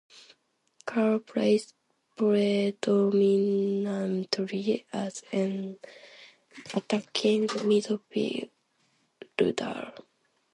Carle plays predominantly as an attacking midfielder.